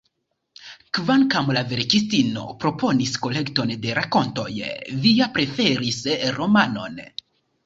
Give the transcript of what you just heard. Kvankam la verkistino proponis kolekton de rakontoj, Via preferis romanon.